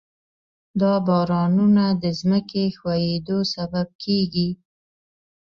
دا بارانونه د ځمکې ښویېدو سبب کېږي.